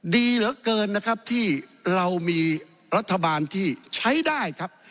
ดีเหลือเกินนะครับที่เรามีรัฐบาลที่ใช้ได้ครับ